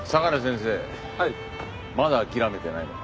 まだ諦めてないのか。